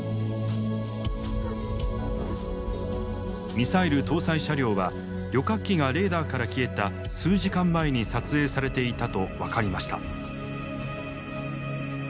ミサイル搭載車両は旅客機がレーダーから消えた数時間前に撮影されていたと分かりました。